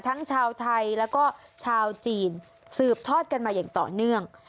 ทั้งชาวไทยแล้วก็ชาวจีนสืบทอดกันมาอย่างต่อเนื่อง